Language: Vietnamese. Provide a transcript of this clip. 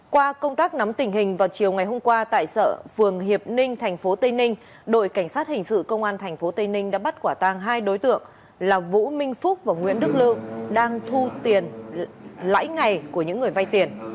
qua công tác nắm tình hình vào chiều ngày hôm qua tại sợ phường hiệp ninh tp tây ninh đội cảnh sát hình sự công an tp tây ninh đã bắt quả tang hai đối tượng là vũ minh phúc và nguyễn đức lự đang thu tiền lãi ngày của những người vay tiền